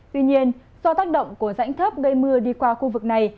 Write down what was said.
tuy nhiên do tác động của rãnh thấp gây mưa đi qua khu vực này